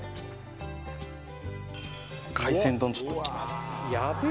海鮮丼ちょっといきます